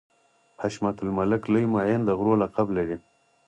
حشمت الملک لوی معین د غرو لقب لري.